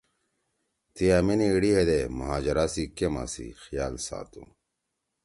تی أمینے اِیڑی ہیدے مہاجرا سی کیمپا سی خیال ساتُو